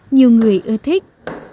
nhiều người ưa thích